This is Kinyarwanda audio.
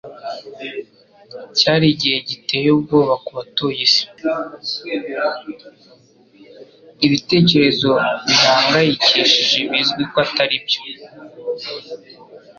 Ibitekerezo bihangayikishije bizwi ko atari byo. ”